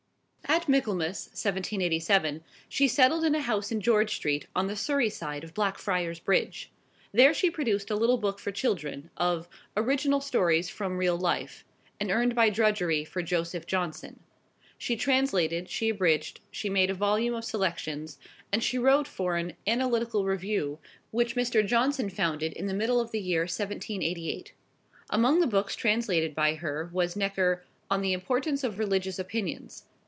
At Michaelmas, 1787, she settled in a house in George Street, on the Surrey side of Blackfriars Bridge. There she produced a little book for children, of "Original Stories from Real Life," and earned by drudgery for Joseph Johnson. She translated, she abridged, she made a volume of Selections, and she wrote for an "Analytical Review," which Mr. Johnson founded in the middle of the year 1788. Among the books translated by her was Necker "On the Importance of Religious Opinions."